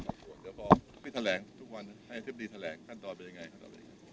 ขอพิธาแหลงทุกวันให้พิธาแหลงขั้นต่อไปยังไง